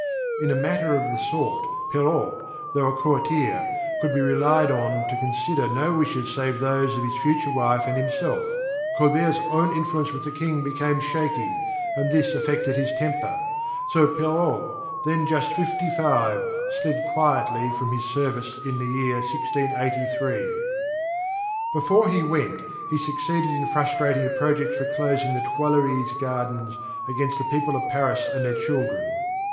In a matter of the sort Perrault, though a courtier, could be relied on to consider no wishes save those of his future wife and himself. Colbert's own influence with the King became shaky, and this affected his temper. So Perrault, then just fifty five, slid quietly from his service in the year 1683._ _Before he went, he succeeded in frustrating a project for closing the Tuileries Gardens against the people of Paris and their children.